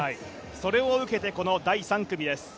それを受けて第２組です。